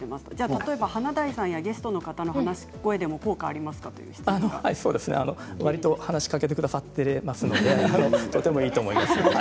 例えば華大さんやゲストの方の話し声でも効果がわりと話しかけてくださっていますのでとてもいいと思います。